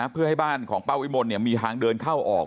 เพื่อให้บ้านของป้าวิมลมีทางเดินเข้าออก